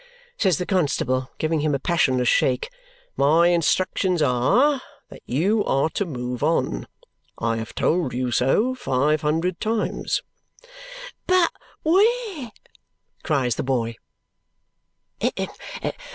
says the constable, giving him a passionless shake. "My instructions are that you are to move on. I have told you so five hundred times." "But where?" cries the boy.